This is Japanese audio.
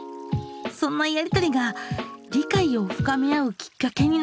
そんなやり取りが理解を深め合うきっかけになるかも。